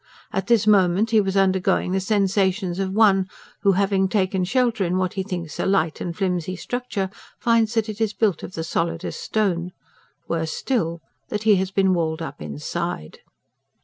At this moment he was undergoing the sensations of one who, having taken shelter in what he thinks a light and flimsy structure, finds that it is built of the solidest stone. Worse still: that he has been walled up inside.